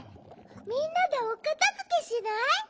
みんなでおかたづけしない？